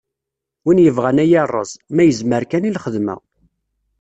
Win yebɣan ad iyi-rreẓ, ma yezmer kan i lxedma.